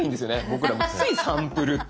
僕らもついサンプルって。